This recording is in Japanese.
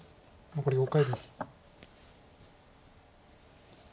残り５回です。